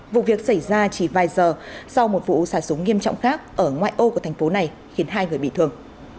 vụ việc xảy ra chỉ vài giờ sau một vụ xả súng nghiêm trọng khác ở ngoại ô của thành phố này khiến hai người bị thương